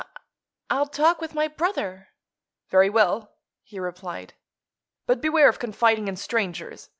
"I—I'll talk with my brother." "Very well," he replied. "But beware of confiding in strangers.